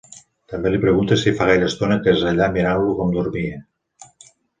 També li pregunta si fa gaire estona que és allà mirant-lo com dormia.